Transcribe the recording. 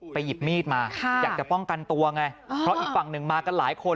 หยิบมีดมาอยากจะป้องกันตัวไงเพราะอีกฝั่งหนึ่งมากันหลายคน